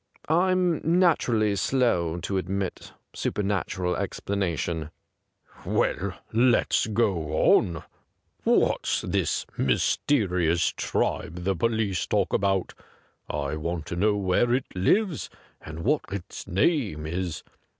' I'm naturally slow to admit supernatural explanation.' 'Well, let's go on. What's this mysterious tribe the police talk about .'' I want to know where it lives and what its name is.